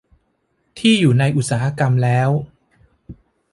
ที่อยู่ในอุตสาหกรรมแล้ว